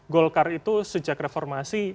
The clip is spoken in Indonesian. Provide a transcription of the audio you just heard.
golkar itu sejak reformasi